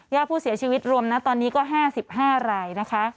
เยอะผู้เสียชีวิตรวมตอนนี้๕๕ราย